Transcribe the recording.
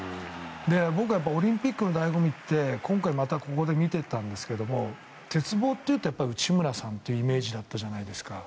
僕はオリンピックの醍醐味って今回ここで見ていたんですけど鉄棒というと内村さんというイメージだったじゃないですか。